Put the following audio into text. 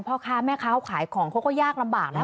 พ่อค้าแม่ค้าเขาขายของเขาก็ยากลำบากนะ